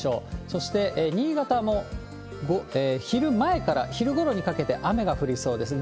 そして、新潟も昼前から昼ごろにかけて雨が降りそうです。